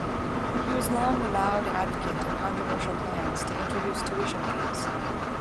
He was long a loud advocate of controversial plans to introduce tuition fees.